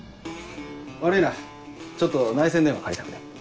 悪いなちょっと内線電話借りたくて。